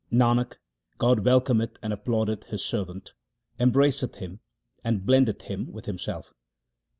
Nanak, God welcometh and applaudeth His servant, embraceth him and blendeth him with Himself.